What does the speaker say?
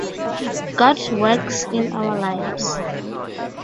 God works in our lives.